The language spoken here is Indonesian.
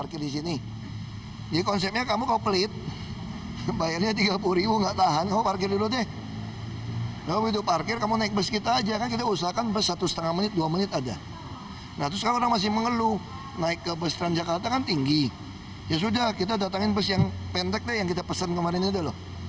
kita datangin bus yang pendek deh yang kita pesen kemarin aja loh